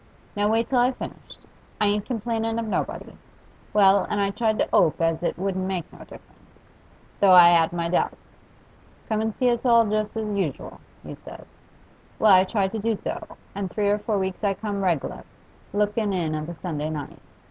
Now wait till I've finished; I ain't complainin' of nobody. Well, and I tried to 'ope as it wouldn't make no difference, though I 'ad my doubts. "Come an' see us all just as usu'l," you said. Well, I tried to do so, and three or four weeks I come reg'lar, lookin' in of a Sunday night.